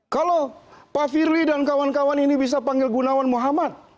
kalau pak firly dan kawan kawan ini bisa panggil gunawan muhammad